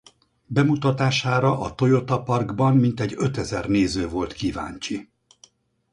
Bemutatására a Toyota Parkban mintegy ötezer néző volt kíváncsi.